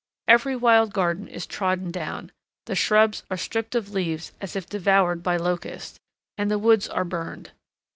Every wild garden is trodden down, the shrubs are stripped of leaves as if devoured by locusts, and the woods are burned.